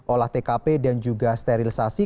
olah tkp dan juga sterilisasi